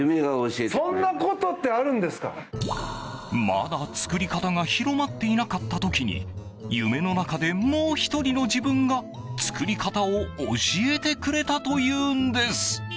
まだ、作り方が広まっていなかった時に夢の中で、もう１人の自分が作り方を教えてくれたというんです。